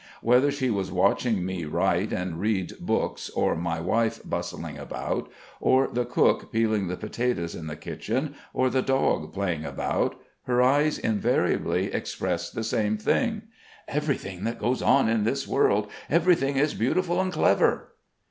Whether she was watching me write and read books, or my wife bustling about, or the cook peeling the potatoes in the kitchen or the dog playing about her eyes invariably expressed the same thing: "Everything that goes on in this world, everything is beautiful and clever."